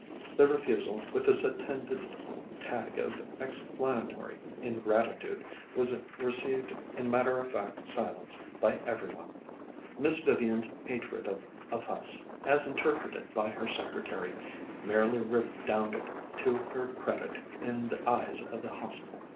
The refusal, with its attendant tag of explanatory ingratitude, was received in matter of fact silence by every one. Miss Vivian's hatred of a fuss, as interpreted by her secretary, merely redounded to her credit in the eyes of the Hostel.